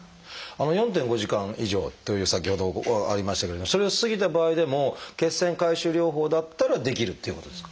４．５時間以上という先ほどありましたけれどもそれを過ぎた場合でも血栓回収療法だったらできるっていうことですか？